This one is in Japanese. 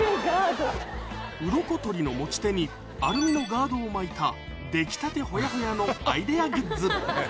ウロコ取りの持ち手にアルミのガードを巻いた出来たてほやほやのアイデアグッズ